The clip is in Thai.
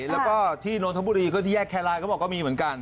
และก็ที่โนธมบุรีที่แยกแคลายก็บอกก็มีเหมือนกัน